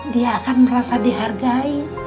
dia akan merasa dihargai